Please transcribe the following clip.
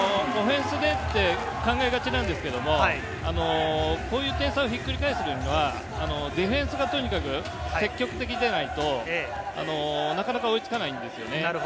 オフェンスでって考えがちなんですが、こういう点差をひっくり返すのはディフェンスがとにかく積極的でないと、なかなか追いつかないんですよね。